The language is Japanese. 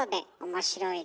面白い。